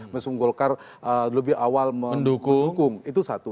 meskipun golkar lebih awal mendukung itu satu